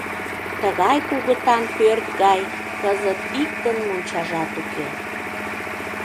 Тыгай кугытан пӧрт гай кызыт иктын мончажат уке.